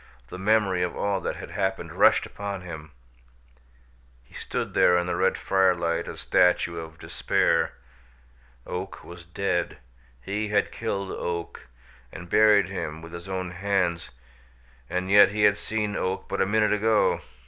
the memory of all that had happened rushed upon him. He stood there in the red firelight a statue of despair. Oak was dead; he had killed Oak, and buried him with his own hands, and yet he had seen Oak but a minute ago!